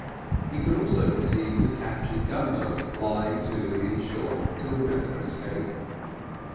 He could also perceive the captured gun boat lying to in shore to prevent their escape.